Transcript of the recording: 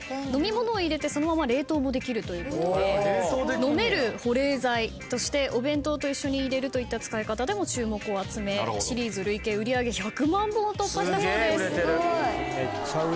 飲み物を入れてそのまま冷凍もできるということで飲める保冷剤としてお弁当と一緒に入れるといった使い方でも注目を集めシリーズ累計売り上げ１００万本を突破したそうです。